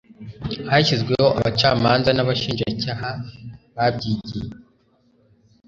hashyizweho abacamanza n'abashinjacyaha babyigiye